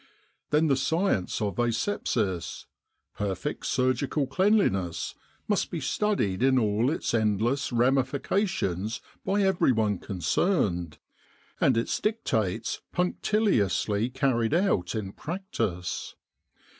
Then the science of asepsis perfect surgical cleanli ness must be studied in all its endless ramifications by everyone concerned, and its dictates punctiliously carried out in practice.